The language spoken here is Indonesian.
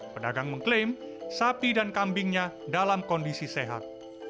pedagang mengklaim sapi dan kambingnya dalam kondisi sehat